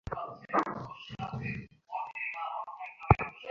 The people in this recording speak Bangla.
আমি হ্যাজেলকে সারপ্রাইজ দিতে যাচ্ছি।